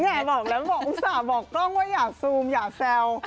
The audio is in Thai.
บอกแล้วบอกอุตส่าห์บอกกล้องว่าอย่าซูมอย่าแซว